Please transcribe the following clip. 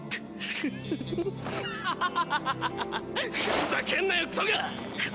ふざけんなよクソがっ！